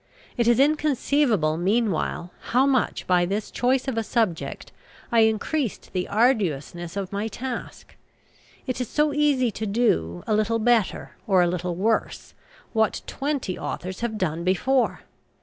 It is inconceivable, meanwhile, how much, by this choice of a subject, I increased the arduousness of my task. It is so easy to do, a little better, or a little worse, what twenty authors have done before!